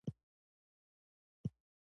همیشني غاښونه یې ځای نیسي.